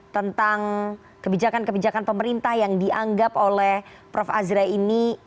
tentang kebijakan kebijakan pemerintah yang dianggap oleh prof azra ini